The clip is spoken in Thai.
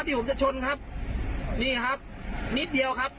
ที่ผมจะชนครับนี่ครับนิดเดียวครับ